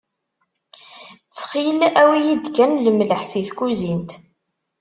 Ttxil, awi-yi-d kan lemleḥ si tkuzint.